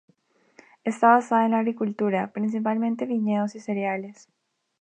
Está basada en la agricultura, principalmente viñedos y cereales.